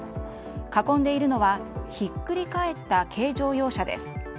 囲んでいるのはひっくり返った軽乗用車です。